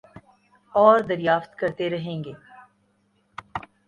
اوردریافت کرتے رہیں گے